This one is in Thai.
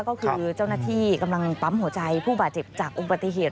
ก็คือเจ้าหน้าที่กำลังปั๊มหัวใจผู้บาดเจ็บจากอุบัติเหตุ